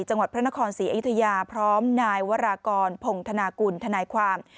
จังหวัดพระนครศรีอยุธยาพร้อมนายวรากรพงธนากุลทนายความ